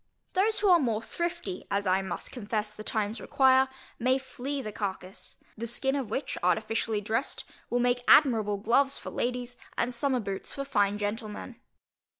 Those who are more thrifty (as I must confess the times require) may flay the carcass; the skin of which, artificially dressed, will make admirable gloves for ladies, and summer boots for fine gentlemen.